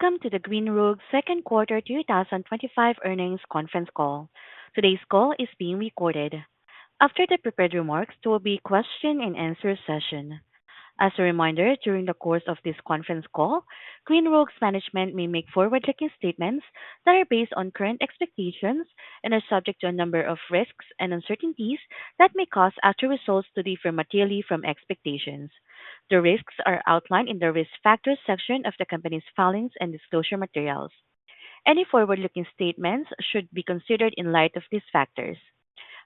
Welcome to the Grown Rogue Second Quarter 2025 Earnings Conference Call. Today's call is being recorded. After the prepared remarks, there will be a question and answer session. As a reminder, during the course of this conference call, Grown Rogue's management may make forward-looking statements that are based on current expectations and are subject to a number of risks and uncertainties that may cause actual results to differ materially from expectations. The risks are outlined in the Risk Factors section of the company's filings and disclosure materials. Any forward-looking statements should be considered in light of these factors.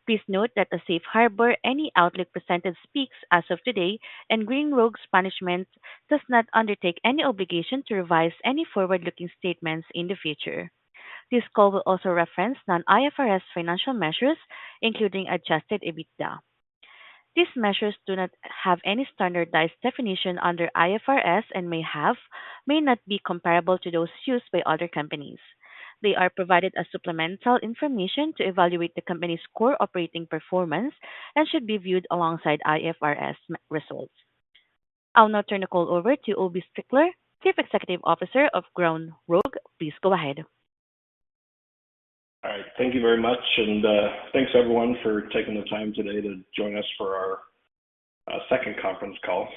Please note that the Safe Harbor, any outlook presented speaks as of today, and Grown Rogue's management does not undertake any obligation to revise any forward-looking statements in the future. This call will also reference non-IFRS financial measures, including adjusted EBITDA. These measures do not have any standardized definition under IFRS and may not be comparable to those used by other companies. They are provided as supplemental information to evaluate the company's core operating performance and should be viewed alongside IFRS results. I'll now turn the call over to Obie Strickler, Chief Executive Officer of Grown Rogue. Please go ahead. All right. Thank you very much, and thanks everyone for taking the time today to join us for our second conference call.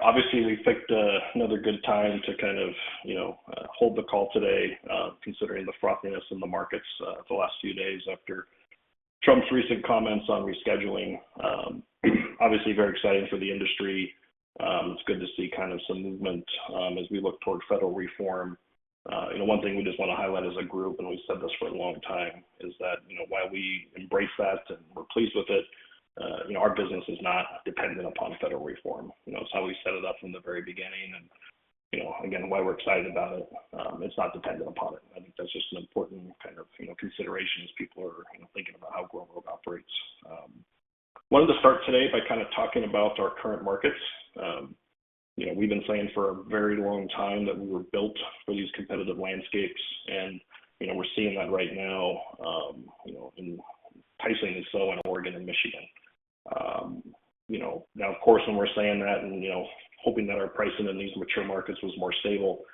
Obviously, we picked another good time to kind of, you know, hold the call today, considering the frothiness in the markets the last few days after Trump's recent comments on rescheduling. Obviously, very exciting for the industry. It's good to see kind of some movement as we look toward federal reform. One thing we just want to highlight as a group, and we've said this for a long time, is that, you know, while we embrace that and we're pleased with it, our business is not dependent upon federal reform. It's how we set it up from the very beginning. Again, while we're excited about it, it's not dependent upon it. I think that's just an important kind of, you know, consideration as people are thinking about how Grown Rogue International Inc. operates. Wanted to start today by kind of talking about our current markets. We've been saying for a very long time that we were built for these competitive landscapes, and we're seeing that right now in pricing is slow in Oregon and Michigan. Now, of course, when we're saying that and hoping that our pricing in these mature markets was more stable,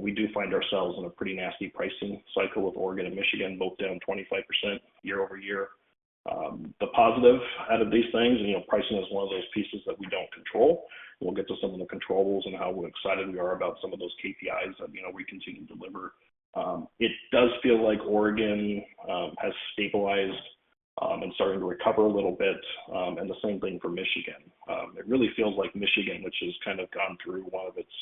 we do find ourselves in a pretty nasty pricing cycle with Oregon and Michigan both down 25% year-over-year. The positive out of these things, pricing is one of those pieces that we don't control. We'll get to some of the controls and how excited we are about some of those KPIs that we continue to deliver. It does feel like Oregon has stabilized and is starting to recover a little bit, and the same thing for Michigan. It really feels like Michigan, which has kind of gone through one of its,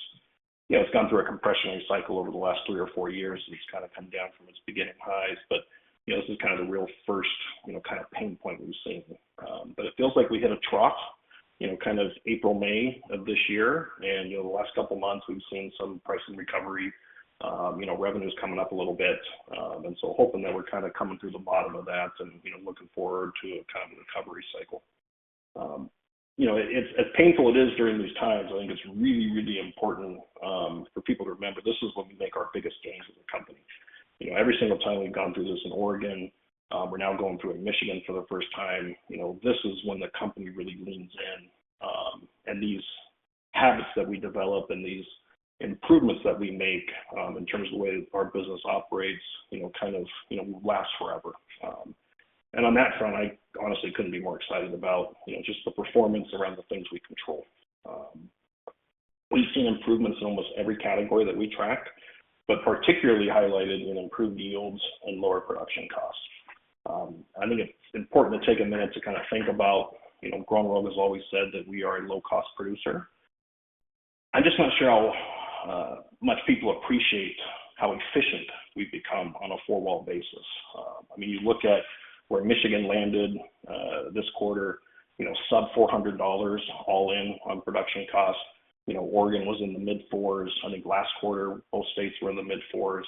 you know, it's gone through a compressionary cycle over the last three or four years. It's kind of come down from its beginning highs, but this is kind of the real first pain point we've seen. It feels like we hit a trough, kind of April, May of this year, and the last couple of months, we've seen some pricing recovery, revenues coming up a little bit. Hoping that we're kind of coming through the bottom of that and looking forward to a kind of recovery cycle. As painful as it is during these times, I think it's really, really important for people to remember this is when we make our biggest gains as a company. Every single time we've gone through this in Oregon, we're now going through it in Michigan for the first time. This is when the company really leans in, and these habits that we develop and these improvements that we make in terms of the way our business operates last forever. On that front, I honestly couldn't be more excited about just the performance around the things we control. We've seen improvements in almost every category that we track, but particularly highlighted in improved yields and lower production costs. I think it's important to take a minute to think about Grown Rogue has always said that we are a low-cost producer. I'm just not sure how much people appreciate how efficient we've become on a four-wall basis. I mean, you look at where Michigan landed this quarter, sub-$400 all in on production costs. Oregon was in the mid $400s. I think last quarter, most states were in the mid $400s.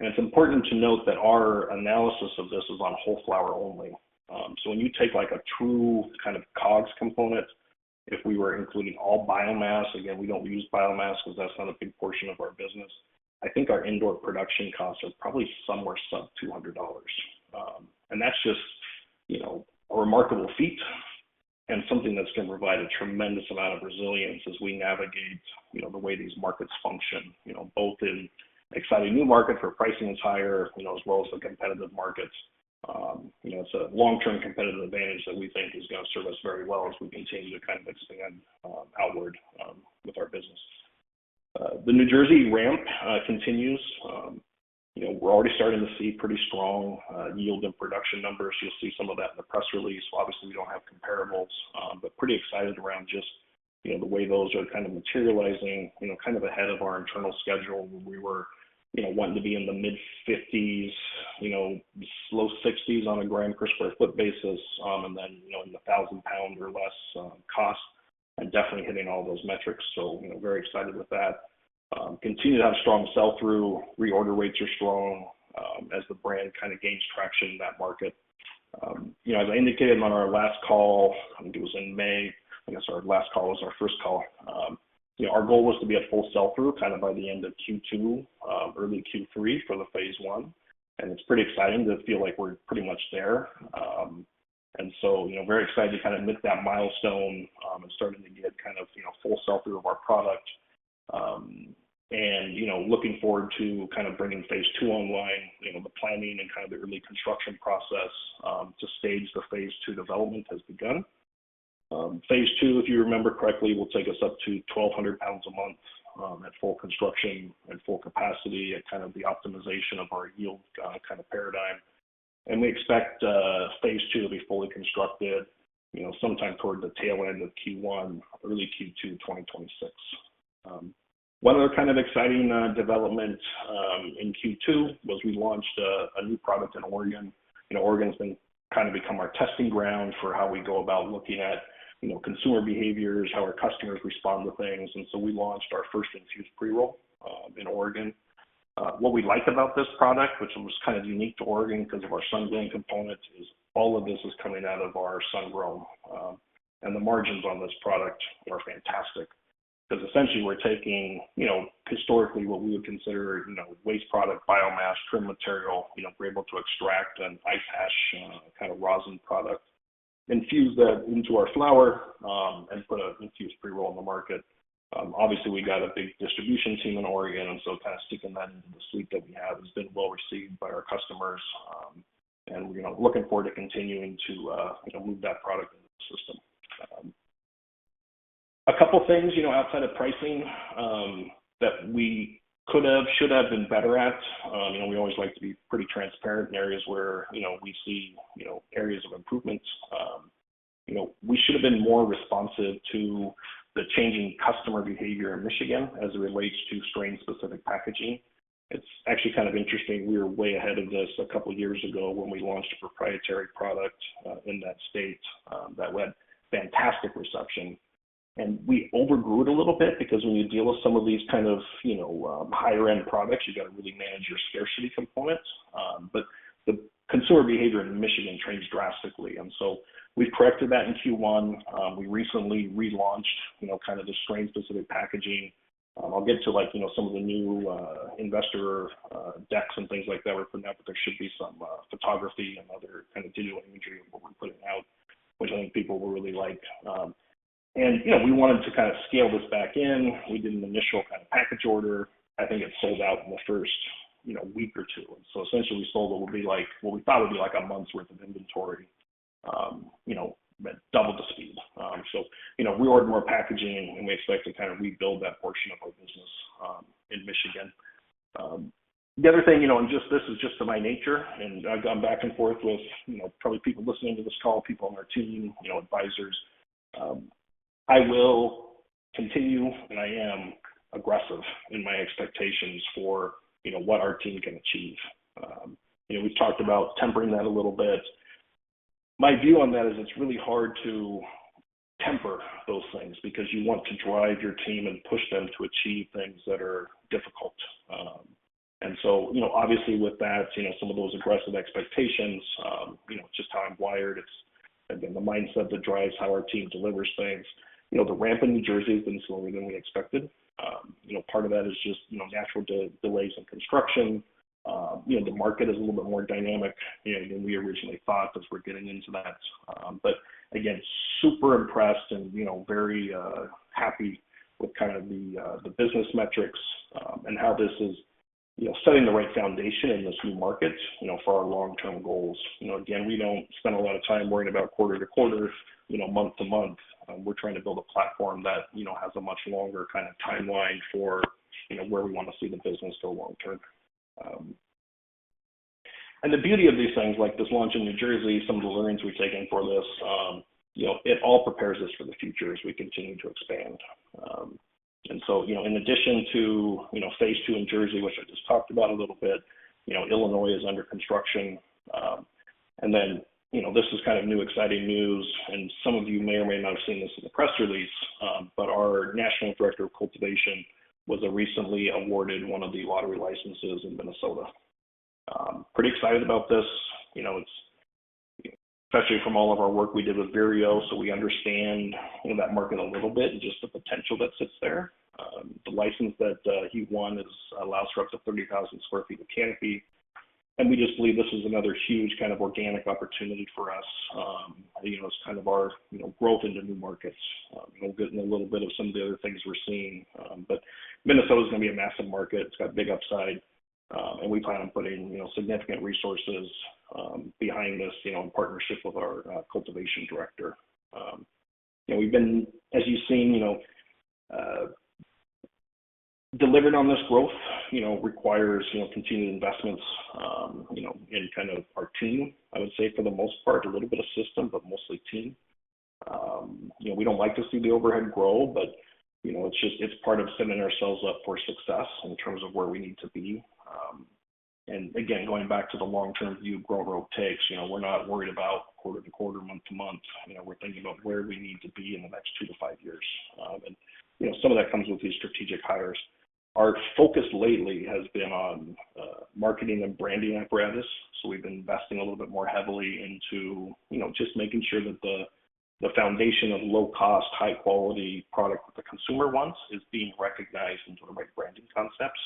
It's important to note that our analysis of this is on whole flower only. When you take a true COGS component, if we were including all biomass, again, we don't use biomass because that's not a big portion of our business. I think our indoor production costs are probably somewhere sub-$200. That's just a remarkable feat and something that's going to provide a tremendous amount of resilience as we navigate the way these markets function, both in exciting new markets where pricing is higher as well as the competitive markets. It's a long-term competitive advantage that we think is going to serve us very well as we continue to expand outward with our business. The New Jersey ramp continues. We're already starting to see pretty strong yield and production numbers. You'll see some of that in the press release. Obviously, we don't have comparables, but pretty excited around just the way those are materializing ahead of our internal schedule where we were wanting to be in the mid 50s, low 60s on a g per sq ft basis, and then in the 1,000 lbs or less cost and definitely hitting all those metrics. Very excited with that. Continue to have strong sell through. Reorder rates are strong as the brand kind of gains traction in that market. As I indicated on our last call, I think it was in May. I guess our last call was our first call. Our goal was to be at full sell through kind of by the end of Q2, early Q3 for the phase I. It's pretty exciting to feel like we're pretty much there. Very excited to kind of meet that milestone and starting to get kind of full sellthrough of our product. Looking forward to kind of bringing phase II online. The planning and kind of the early construction process to stage the phase II development has begun. Phase II, if you remember correctly, will take us up to 1,200 lbs a month at full construction and full capacity at kind of the optimization of our yield paradigm. We expect phase II to be fully constructed sometime toward the tail end of Q1, early Q2 2026. One other kind of exciting development in Q2 was we launched a new product in Oregon. Oregon's been kind of become our testing ground for how we go about looking at consumer behaviors, how our customers respond to things. We launched our first infused pre-roll in Oregon. What we like about this product, which was kind of unique to Oregon because of our sungrown component, is all of this is coming out of our sungrown. The margins on this product are fantastic because essentially we're taking, historically, what we would consider waste product, biomass, trim material. We're able to extract an ice hash kind of rosin product, infuse that into our flower, and put an infused pre-roll in the market. Obviously, we got a big distribution team in Oregon, and so kind of sticking that into the suite that we have has been well received by our customers. We're looking forward to continuing to move that product into the system. A couple of things, outside of pricing, that we could have, should have been better at. We always like to be pretty transparent in areas where we see areas of improvement. We should have been more responsive to the changing customer behavior in Michigan as it relates to strain-specific packaging. It's actually kind of interesting. We were way ahead of this a couple of years ago when we launched a proprietary product in that state that had fantastic reception. We overgrew it a little bit because when you deal with some of these higher-end products, you have to really manage your scarcity component. The consumer behavior in Michigan changed drastically. We've corrected that in Q1. We recently relaunched the strain-specific packaging. I'll get to some of the new investor decks and things like that we're putting out, but there should be some photography and other video imagery of what we're putting out, which I think people will really like. We wanted to scale this back in. We did an initial package order. I think it sold out in the first week or two. Essentially, we sold what we thought would be a month's worth of inventory in half the time. We reordered more packaging, and we expect to rebuild that portion of our business in Michigan. The other thing, and this is just to my nature, and I've gone back and forth with probably people listening to this call, people on our team, advisors. I will continue, and I am aggressive in my expectations for what our team can achieve. We've talked about tempering that a little bit. My view on that is it's really hard to temper those things because you want to drive your team and push them to achieve things that are difficult. Obviously, with that, some of those aggressive expectations are just how I'm wired. It's been the mindset that drives how our team delivers things. The ramp in New Jersey has been slower than we expected. Part of that is just natural delays in construction. The market is a little bit more dynamic than we originally thought because we're getting into that. Again, I'm super impressed and very happy with the business metrics and how this is setting the right foundation in this new market for our long-term goals. We don't spend a lot of time worrying about quarter-to-quarter or month-to-month. We're trying to build a platform that has a much longer timeline for where we want to see the business go long term. The beauty of these things, like this launch in New Jersey, is that some of the learnings we're taking from this all prepare us for the future as we continue to expand. In addition to phase two in Jersey, which I just talked about a little bit, Illinois is under construction. This is kind of new, exciting news. Some of you may or may not have seen this in the press release, but our National Director of Cultivation was recently awarded one of the lottery licenses in Minnesota. Pretty excited about this, especially from all of our work we did with Vireo, so we understand that market a little bit and just the potential that sits there. The license that he won allows for up to 30,000 sq ft of canopy. We just believe this is another huge kind of organic opportunity for us. It's kind of our growth into new markets. We're getting a little bit of some of the other things we're seeing. Minnesota is going to be a massive market. It's got big upside. We plan on putting significant resources behind this in partnership with our cultivation director. We've been, as you've seen, delivering on this growth, which requires continued investments. Any kind of our team, I would say, for the most part, a little bit of system, but mostly team. We don't like to see the overhead grow, but it's just part of setting ourselves up for success in terms of where we need to be. Going back to the long-term view Grown Rogue takes, we're not worried about quarter to quarter, month to month. We're thinking about where we need to be in the next two to five years. Some of that comes with these strategic hires. Our focus lately has been on marketing and branding apparatus. We've been investing a little bit more heavily into just making sure that the foundation of low-cost, high-quality product that the consumer wants is being recognized and driven by branding concepts.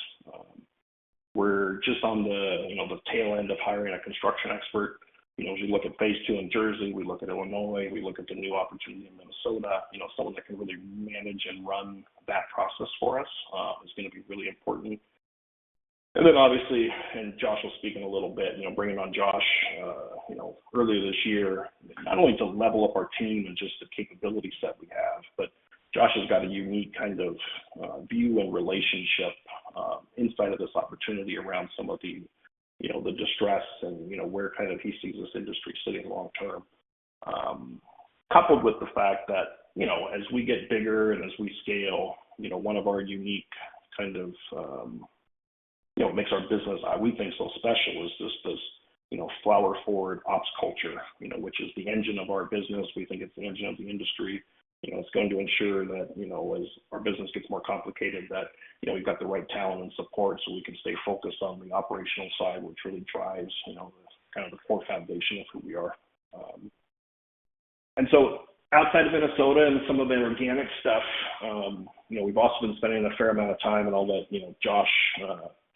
We're just on the tail end of hiring a construction expert. As we look at phase two in Jersey, we look at Illinois, we look at the new opportunity in Minnesota, someone that can really manage and run that process for us is going to be really important. Obviously, Josh will speaking a little bit. Bringing on Josh earlier this year, not only to level up our team and just the capability set we have, but Josh has got a unique kind of view and relationship inside of this opportunity around some of the distress and where he sees this industry sitting long term. Coupled with the fact that as we get bigger and as we scale, one of our unique kind of, you know, makes our business, we think, so special is just this flower-forward ops culture, which is the engine of our business. We think it's the engine of the industry. It's going to ensure that as our business gets more complicated, we've got the right talent and support so we can stay focused on the operational side, which really drives the core foundation of who we are. Outside of Minnesota and some of the organic stuff, we've also been spending a fair amount of time, and I'll let Josh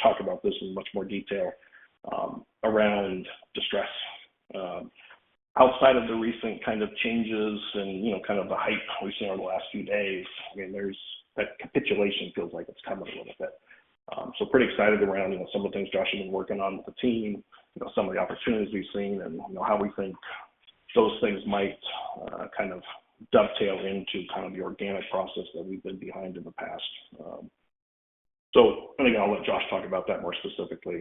talk about this in much more detail around distress. Outside of the recent kind of changes and the hype we've seen over the last few days, again, that capitulation feels like it's coming a little bit. Pretty excited around some of the things Josh has been working on with the team, some of the opportunities we've seen, and how we think those things might dovetail into the organic process that we've been behind in the past. I'll let Josh talk about that more specifically.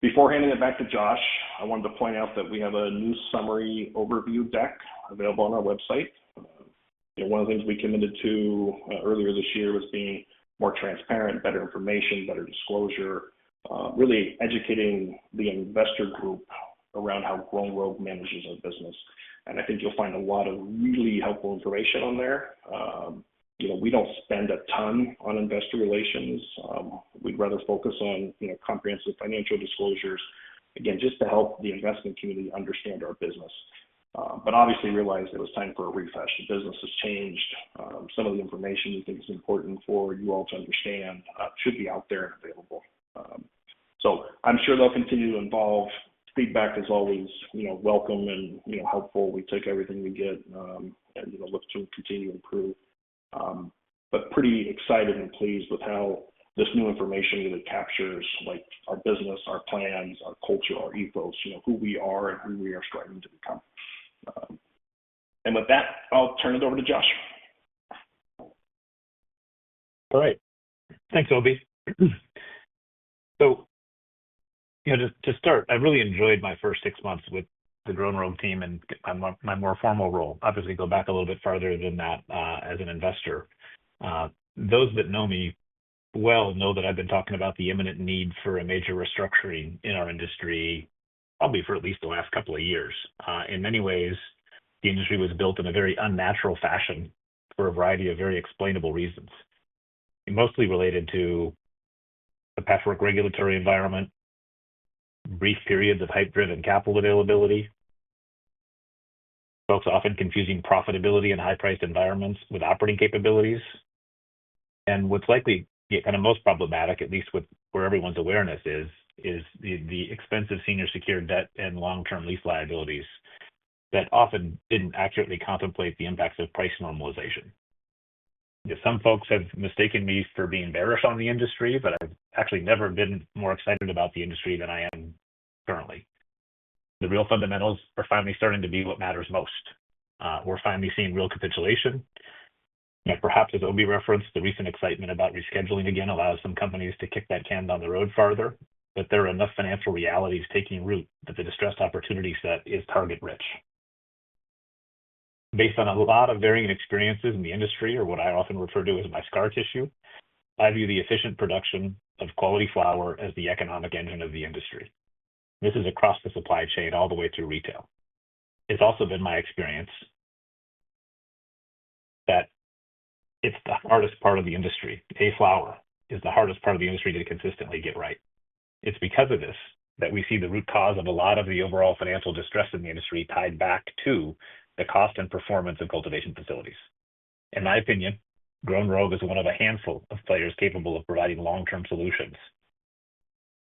Before handing it back to Josh, I wanted to point out that we have a new summary overview deck available on our website. One of the things we committed to earlier this year was being more transparent, better information, better disclosure, really educating the investor group around how Grown Rogue manages our business. I think you'll find a lot of really helpful information on there. We don't spend a ton on investor relations. We'd rather focus on comprehensive financial disclosures, again, just to help the investment community understand our business. Obviously, realize it was time for a refresh. The business has changed. Some of the information you think is important for you all to understand should be out there and available. I'm sure they'll continue to evolve. Feedback is always welcome and helpful. We take everything we get and look to continue to improve. I'm pretty excited and pleased with how this new information either captures our business, our plans, our culture, our ethos, who we are and who we are striving to become. With that, I'll turn it over to Josh. All right. Thanks, Obie. Just to start, I really enjoyed my first six months with the Grown Rogue team and my more formal role. Obviously, go back a little bit farther than that as an investor. Those that know me well know that I've been talking about the imminent need for a major restructuring in our industry, probably for at least the last couple of years. In many ways, the industry was built in a very unnatural fashion for a variety of very explainable reasons, mostly related to the patchwork regulatory environment, brief periods of hype-driven capital availability, folks often confusing profitability in high-priced environments with operating capabilities. What's likely kind of most problematic, at least with where everyone's awareness is, is the expensive senior secured debt and long-term lease liabilities that often didn't accurately contemplate the impacts of price normalization. Some folks have mistaken me for being bearish on the industry, but I've actually never been more excited about the industry than I am currently. The real fundamentals are finally starting to be what matters most. We're finally seeing real capitulation. Perhaps, as Obie referenced, the recent excitement about rescheduling again allows some companies to kick that can down the road farther, but there are enough financial realities taking root that the distressed opportunity set is target-rich. Based on a lot of varying experiences in the industry, or what I often refer to as my scar tissue, I view the efficient production of quality flower as the economic engine of the industry. This is across the supply chain all the way through retail. It's also been my experience that it's the hardest part of the industry. A flower is the hardest part of the industry to consistently get right. It's because of this that we see the root cause of a lot of the overall financial distress in the industry tied back to the cost and performance of cultivation facilities. In my opinion, Grown Rogue is one of a handful of players capable of providing long-term solutions.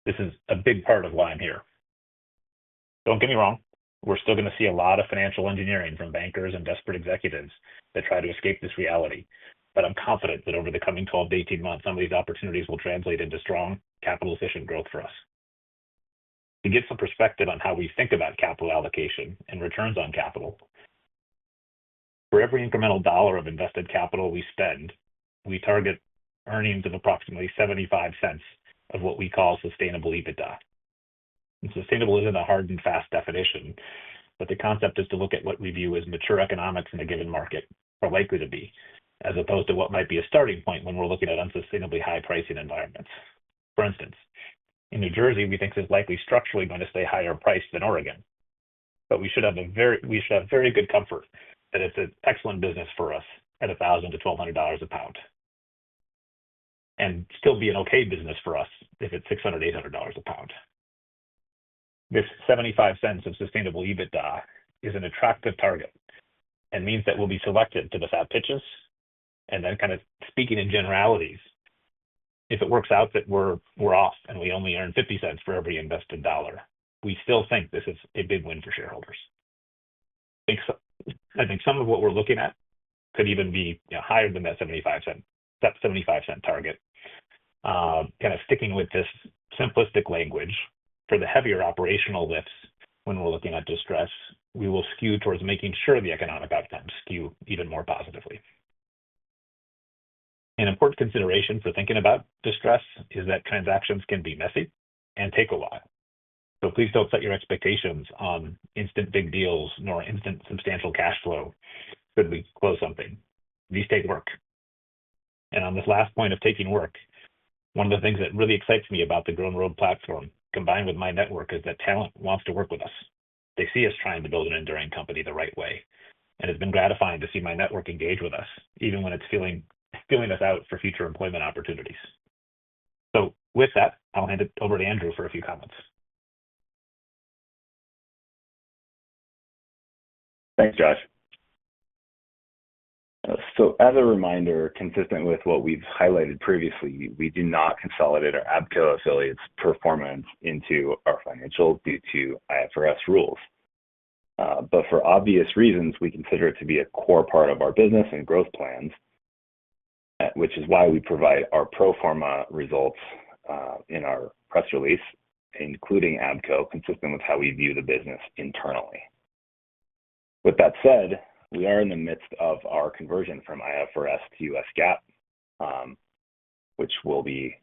This is a big part of why I'm here. Don't get me wrong. We're still going to see a lot of financial engineering and bankers and desperate executives that try to escape this reality. I'm confident that over the coming 12-18 months, some of these opportunities will translate into strong capital efficient growth for us. To give some perspective on how we think about capital allocation and returns on capital, for every incremental dollar of invested capital we spend, we target earnings of approximately $0.75 of what we call sustainable EBITDA. Sustainable isn't a hard and fast definition, but the concept is to look at what we view as mature economics in a given market are likely to be, as opposed to what might be a starting point when we're looking at unsustainably high pricing environments. For instance, in New Jersey, we think this is likely structurally going to stay higher priced than Oregon. We should have very good comfort that it's an excellent business for us at $1,000-$1,200/lbs and still be an okay business for us if it's $600-$800/lbs. This $0.75 of sustainable EBITDA is an attractive target and means that we'll be selected to the fat pitches. Kind of speaking in generalities, if it works out that we're off and we only earn $0.50 for every invested dollar, we still think this is a big win for shareholders. I think some of what we're looking at could even be higher than that $0.75 target. Kind of sticking with this simplistic language, for the heavier operational lifts when we're looking at distress, we will skew towards making sure the economic outcomes skew even more positively. An important consideration for thinking about distress is that transactions can be messy and take a while. Please don't set your expectations on instant big deals nor instant substantial cash flow. Should we close something, these deals take work. On this last point of taking work, one of the things that really excites me about the Grown Rogue platform combined with my network is that talent wants to work with us. They see us trying to build an enduring company the right way. It's been gratifying to see my network engage with us, even when it's feeling us out for future employment opportunities. With that, I'll hand it over to Andrew for a few comments. Thanks, Josh. As a reminder, consistent with what we've highlighted previously, we do not consolidate our ABCO affiliates' performance into our financials due to IFRS rules. For obvious reasons, we consider it to be a core part of our business and growth plans, which is why we provide our pro forma results in our press release, including ABCO, consistent with how we view the business internally. With that said, we are in the midst of our conversion from IFRS to U.S. GAAP, which will be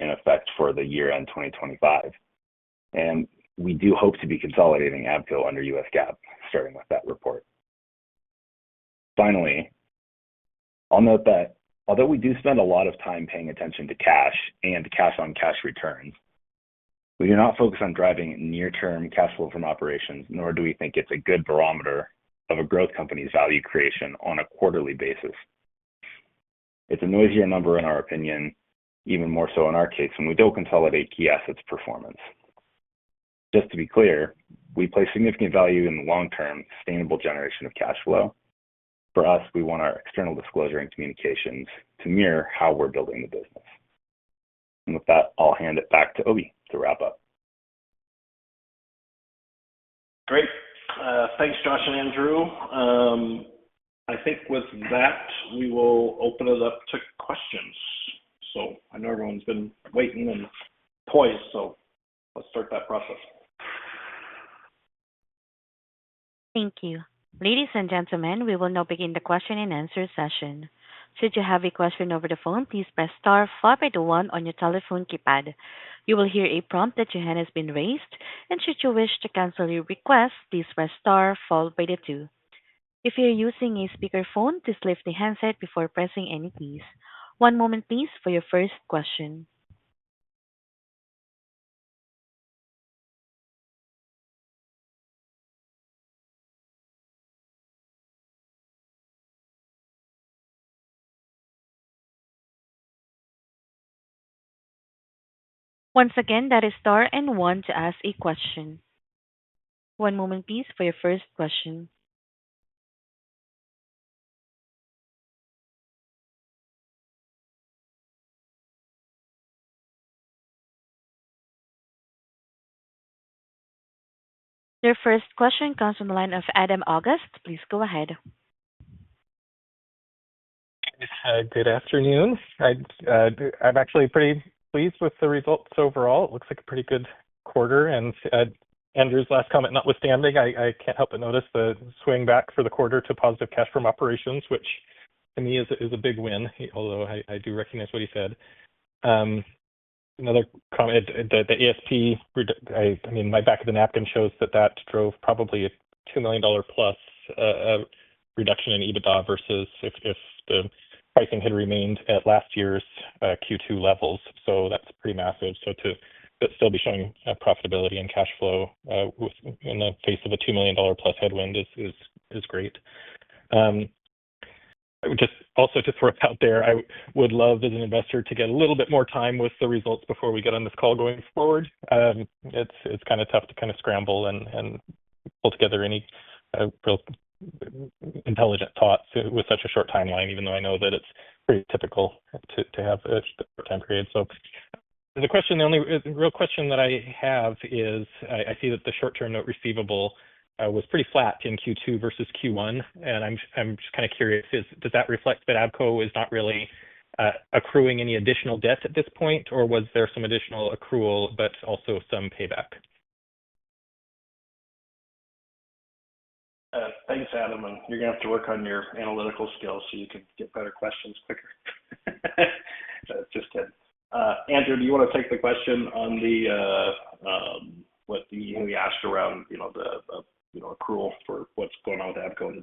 in effect for the year-end 2025. We do hope to be consolidating ABCO under US GAAP, starting with that report. Finally, I'll note that although we do spend a lot of time paying attention to cash and cash-on-cash returns, we do not focus on driving near-term cash flow from operations, nor do we think it's a good barometer of a growth company's value creation on a quarterly basis. It's a noisier number in our opinion, even more so in our case when we don't consolidate key assets' performance. Just to be clear, we place significant value in the long-term sustainable generation of cash flow. For us, we want our external disclosure and communications to mirror how we're building the business. With that, I'll hand it back to Obie to wrap up. Great. Thanks, Josh and Andrew. I think with that, we will open it up to questions. I know everyone's been waiting in to ask, so let's start that process. Thank you. Ladies and gentlemen, we will now begin the question and answer session. Should you have a question over the phone, please press star followed by the one on your telephone keypad. You will hear a prompt that your hand has been raised, and should you wish to cancel your request, please press star followed by the two. If you're using a speaker phone, please lift the handset before pressing any keys. One moment, please, for your first question. Once again, that is star and one to ask a question. One moment, please, for your first question. Your first question comes from the line of Adam August. Please go ahead. Good afternoon. I'm actually pretty pleased with the results overall. It looks like a pretty good quarter. Andrew's last comment, notwithstanding, I can't help but notice the swing back for the quarter to positive cash from operations, which to me is a big win, although I do recognize what he said. Another comment, the ASP, I mean, my back of the napkin shows that that drove probably a $2 million+ reduction in EBITDA versus if the pricing had remained at last year's Q2 levels. That's pretty massive. To still be showing profitability and cash flow in the face of a $2 million+ headwind is great. I would just also throw it out there, I would love as an investor to get a little bit more time with the results before we get on this call going forward. It's kind of tough to scramble and pull together any real intelligent thoughts with such a short timeline, even though I know that it's pretty typical to have a short time period. The question, the only real question that I have is I see that the short-term note receivable was pretty flat in Q2 versus Q1. I'm just kind of curious, does that reflect that ABCO is not really accruing any additional debt at this point, or was there some additional accrual but also some payback? Thanks, Adam. You're going to have to work on your analytical skills so you could get better questions quicker. That's just it. Andrew, do you want to take the question on what you asked around the accrual for what's going on with ABCO in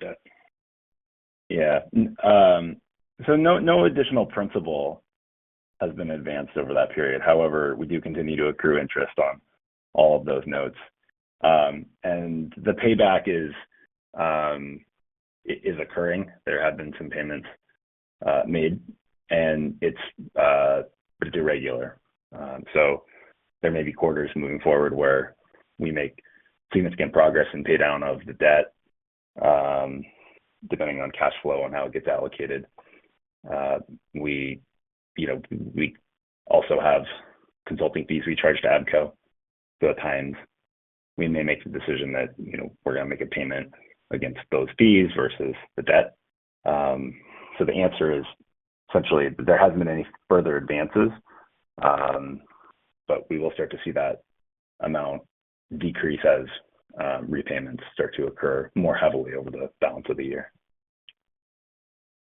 the debt? No additional principal has been advanced over that period. However, we do continue to accrue interest on all of those notes, and the payback is occurring. There have been some payments made, and it's a bit irregular. There may be quarters moving forward where we make significant progress in pay down of the debt, depending on cash flow and how it gets allocated. We also have consulting fees we charge to ABCO. At times, we may make the decision that we're going to make a payment against those fees versus the debt. The answer is essentially there hasn't been any further advances, but we will start to see that amount decrease as repayments start to occur more heavily over the balance of the year.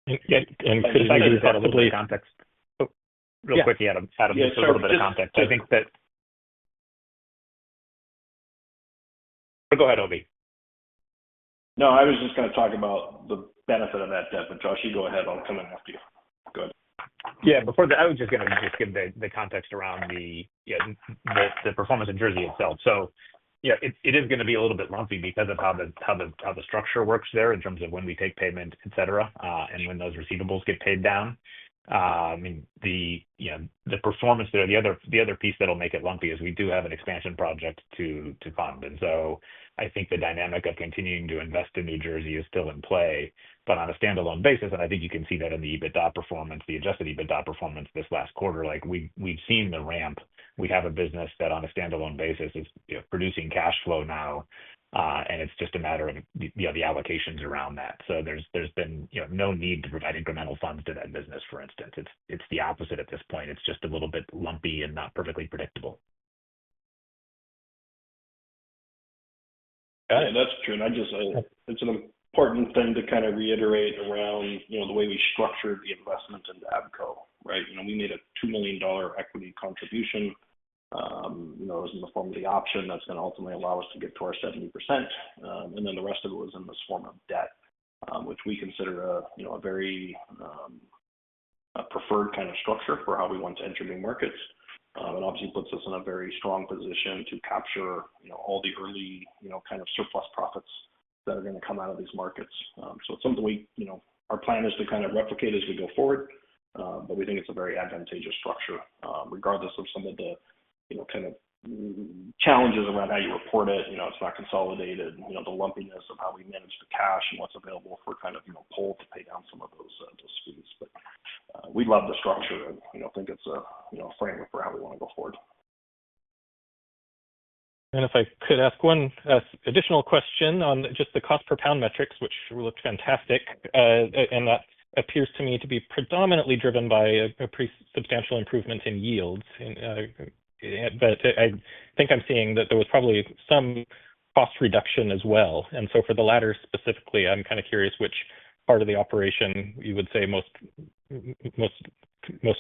Can I give you a little bit of context? Real quick, Adam. Just a little bit of context. I think that, go ahead, Obie. No, I was just going to talk about the benefit of that debt. Josh, you go ahead. I'll come in with you. Go ahead. Yeah. Before that, I was just going to give the context around the, you know, the performance of Jersey itself. It is going to be a little bit lumpy because of how the structure works there in terms of when we take payment, et cetera, and when those receivables get paid down. The performance there, the other piece that'll make it lumpy is we do have an expansion project to fund. I think the dynamic of continuing to invest in New Jersey is still in play, but on a standalone basis, and I think you can see that in the EBITDA performance, the adjusted EBITDA performance this last quarter, like we've seen the ramp. We have a business that on a standalone basis is producing cash flow now, and it's just a matter of the allocations around that. There's been no need to provide incremental funds to that business, for instance. It's the opposite at this point. It's just a little bit lumpy and not perfectly predictable. That's true. It's an important thing to reiterate around the way we structured the investment into ABCO, right? We made a $2 million equity contribution. It was in the form of the option that's going to ultimately allow us to get to our 70%. The rest of it was in this form of debt, which we consider a very preferred kind of structure for how we want to enter new markets. It obviously puts us in a very strong position to capture all the early surplus profits that are going to come out of these markets. It's something we plan to replicate as we go forward. We think it's a very advantageous structure, regardless of some of the challenges around how you report it. It's not consolidated. The lumpiness of how we manage the cash and what's available for pull to pay down some of those fees. We love the structure and think it's a framework for how we want to go forward. If I could ask one additional question on just the cost per lbs metrics, which looked fantastic, that appears to me to be predominantly driven by a pretty substantial improvement in yields. I think I'm seeing that there was probably some cost reduction as well. For the latter specifically, I'm kind of curious which part of the operation you would say most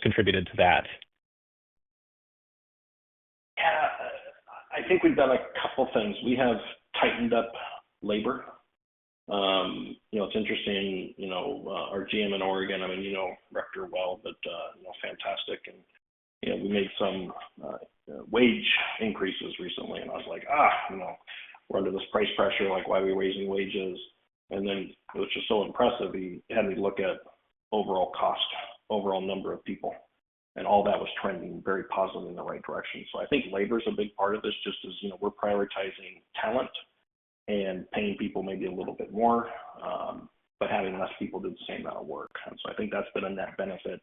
contributed to that. Yeah, I think we've done a couple of things. We have tightened up labor. It's interesting, our GM in Oregon, I mean, you know Rector well, but fantastic. We made some wage increases recently, and I was like, we're under this price pressure, like why are we raising wages? It was just so impressive. He had me look at overall cost, overall number of people, and all that was trending very positively in the right direction. I think labor is a big part of this, just as we're prioritizing talent and paying people maybe a little bit more, but having less people do the same amount of work. I think that's been a net benefit.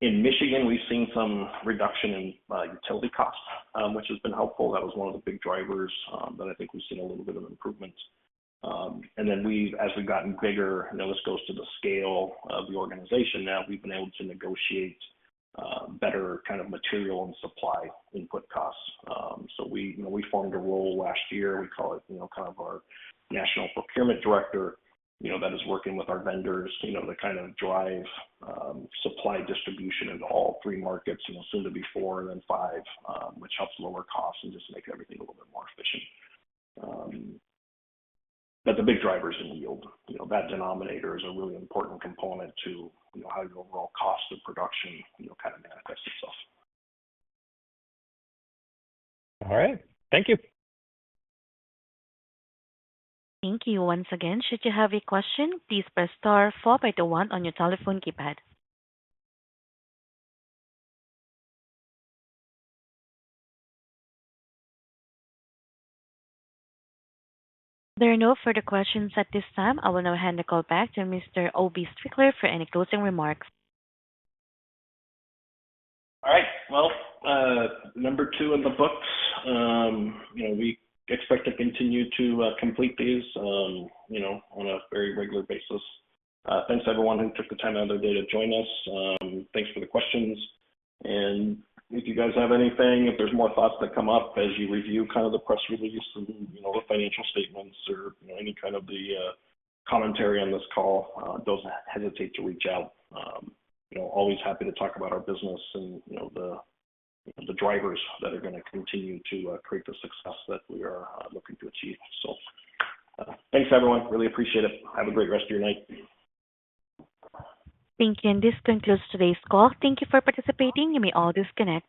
In Michigan, we've seen some reduction in utility costs, which has been helpful. That was one of the big drivers that I think we've seen a little bit of improvement. As we've gotten bigger, now this goes to the scale of the organization, now we've been able to negotiate better kind of material and supply input costs. We formed a role last year. We call it our national procurement director, that is working with our vendors to kind of drive supply distribution into all three markets, soon to be four and then five, which helps lower costs and just makes everything a little bit more efficient. The big driver is in yield. That denominator is a really important component to how your overall cost of production kind of manifests itself. All right. Thank you. Thank you once again. Should you have a question, please press star four by the one on your telephone keypad. There are no further questions at this time. I will now hand the call back to Mr. Obie Strickler for any closing remarks. All right. Number two in the books. We expect to continue to complete these on a very regular basis. Thanks to everyone who took the time out of their day to join us. Thanks for the questions. If you guys have anything, if there's more thoughts that come up as you review the press release and the financial statements or any of the commentary on this call, don't hesitate to reach out. Always happy to talk about our business and the drivers that are going to continue to create the success that we are looking to achieve. Thanks, everyone. Really appreciate it. Have a great rest of your night. Thank you. This concludes today's call. Thank you for participating. You may all disconnect.